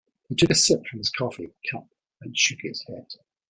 He took a sip from his coffee cup and shook his head.